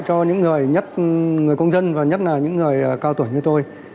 cho những người nhất người công dân và nhất là những người cao tuổi như tôi